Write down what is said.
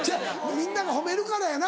みんなが褒めるからやな。